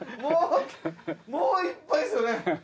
もうもういっぱいですよね。